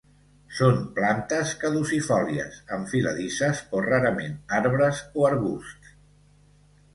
Són plantes caducifòlies, enfiladisses o rarament arbres o arbusts.